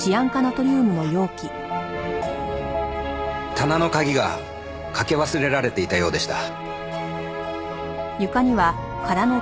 棚の鍵がかけ忘れられていたようでした。